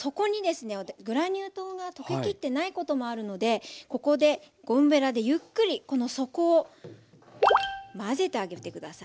グラニュー糖が溶けきってないこともあるのでここでゴムべらでゆっくりこの底を混ぜてあげて下さい。